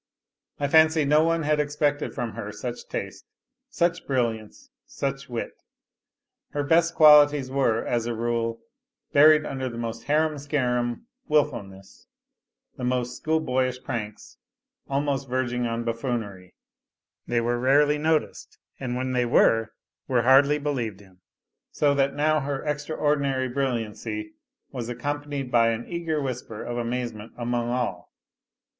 I fancy no one had expected from her such taste, such brilliance, such wit. Her best qualities were, as a rule, buried under the most harum scarum wilfulness, the most schoolboyish pranks, almost verging on buffoonery; they were rarely noticed, and, when they were, were hardly believed in, so that now her extraordinary brilliancy was accompanied by an eager whisper of amazement among all.